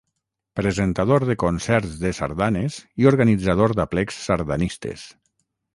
Presentador de concerts de sardanes i organitzador d'aplecs sardanistes.